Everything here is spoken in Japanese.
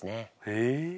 へえ。